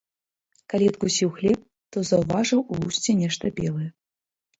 Калі адкусіў хлеб, то заўважыў у лусце нешта белае.